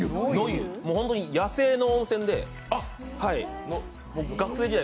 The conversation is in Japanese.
本当に野生の温泉で学生時代